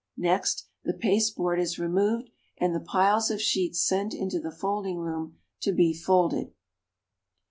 Next, the pasteboard is removed, and the piles of sheets sent into the Folding room to be folded.